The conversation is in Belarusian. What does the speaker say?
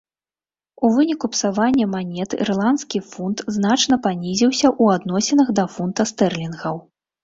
У выніку псавання манет ірландскі фунт значна панізіўся ў адносінах да фунта стэрлінгаў.